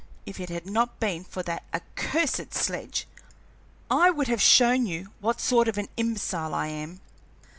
If it had not been for that accursed sledge, I would have shown you what sort of an imbecile I am.